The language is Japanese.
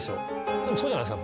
でもそうじゃないですか？